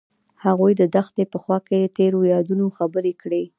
هغوی د دښته په خوا کې تیرو یادونو خبرې کړې.